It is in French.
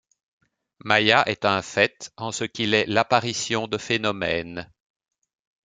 Māyā est un fait en ce qu'il est l'apparition de phénomènes.